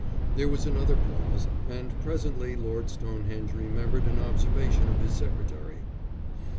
There was another pause, and presently Lord Stonehenge remembered an observation of his secretary.